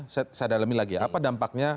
saya dalami lagi ya apa dampaknya